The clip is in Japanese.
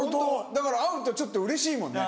だから会うとちょっとうれしいもんね。